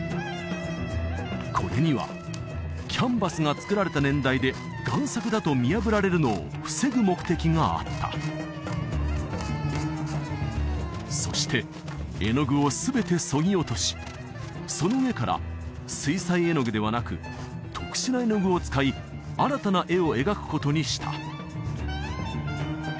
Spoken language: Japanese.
これにはキャンバスが作られた年代で贋作だと見破られるのを防ぐ目的があったそして絵の具を全てそぎ落としその上から水彩絵の具ではなく特殊な絵の具を使い新たな絵を描くことにした